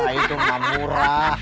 haha nah itu ga murah